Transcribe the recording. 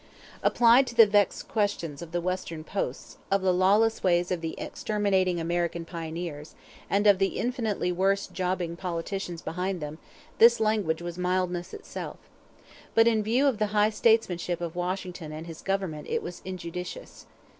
Applied to the vexed questions of the Western Posts, of the lawless ways of the exterminating American pioneers, and of the infinitely worse jobbing politicians behind them, this language was mildness itself. But in view of the high statesmanship of Washington and his government it was injudicious.